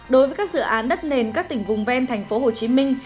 đối với các dự án đất nền các tỉnh vùng ven thành phố hồ chí minh